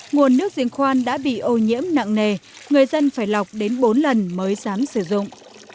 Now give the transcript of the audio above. nguồn nước diễn khoan đã bị ô nhiễm nặng nề người dân phải lọc đến bốn lần mới dám sử dụng